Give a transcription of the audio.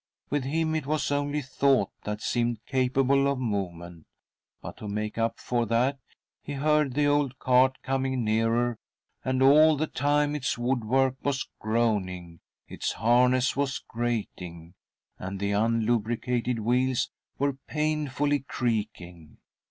With him it was only thought that seemed capable of movement. But to make up for that he heard the old cart coming nearer, and all the time its wood work was groaning, its harness was grating, and the unlubricated wheels were painfully creaking.